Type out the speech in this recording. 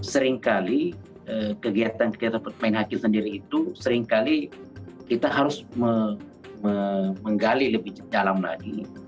seringkali kegiatan kegiatan pemain hakim sendiri itu seringkali kita harus menggali lebih dalam lagi